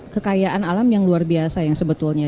kekayaan alam yang luar biasa yang sebetulnya